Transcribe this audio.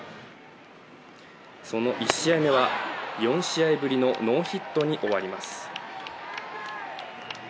その１試合目は、４試合ぶりのノーヒットに終わります。